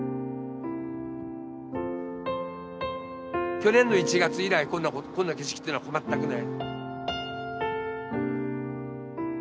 去年の１月以来こんな景色ってのは全くない。